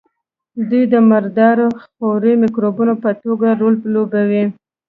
دوی د مردار خورو مکروبونو په توګه رول لوبوي.